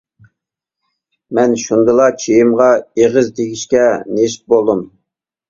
مەن شۇندىلا چېيىمغا ئېغىز تېگىشكە نېسىپ بولدۇم.